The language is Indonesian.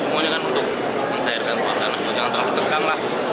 semuanya kan untuk mencairkan suasana semuanya jangan terlalu tegang